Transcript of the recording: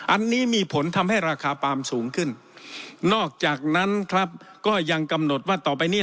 อันนี้มีผลทำให้ราคาปาล์มสูงขึ้นนอกจากนั้นครับก็ยังกำหนดว่าต่อไปนี้